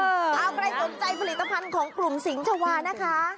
เอาใครสนใจผลิตภัณฑ์ของกลุ่มสิงชาวานะคะ